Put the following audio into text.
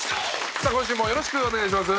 さあ今週もよろしくお願いします。